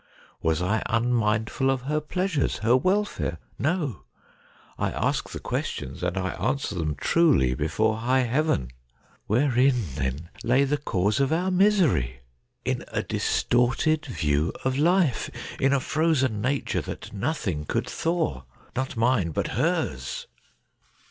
Was I unmindful of her pleasures, her welfare ? No! I ask the questions, and I answer them truly before high heaven. Wherein, then, lay the cause of our misery ? In a distorted view of life — in a frozen nature that no thing could thaw. Not mine, but hers